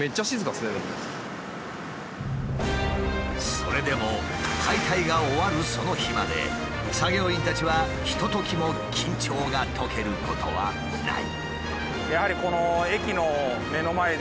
それでも解体が終わるその日まで作業員たちはひとときも緊張が解けることはない。